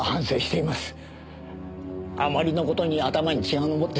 あまりの事に頭に血が上ってしまいました。